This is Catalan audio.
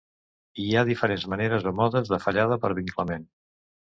Hi ha diferents maneres o modes de fallada per vinclament.